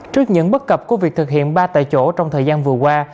trước những bất cập của việc thực hiện ba tại chỗ trong thời gian vừa qua